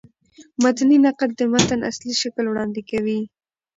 متني نقد د متن اصلي شکل وړاندي کوي.